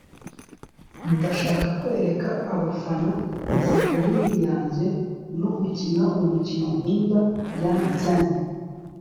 ndashaka kwereka abafana inseko nini yanjye no gukina umukino nkunda. - yani tseng